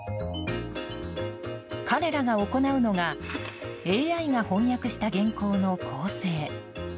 彼らが行うのがＡＩが翻訳した原稿の校正。